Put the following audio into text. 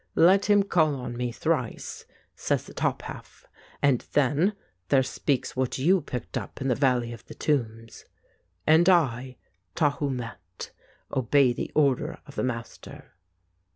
' Let him call on me thrice,' says the top half, and then there speaks what you picked up in the valley of the tombs, ' and I, Tahu met, obey the order of the Master.'"